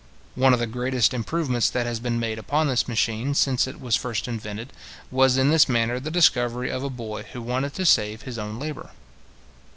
One of the greatest improvements that has been made upon this machine, since it was first invented, was in this manner the discovery of a boy who wanted to save his own labour.